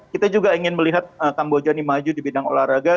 kita juga ingin melihat kamboja ini maju di bidang olahraga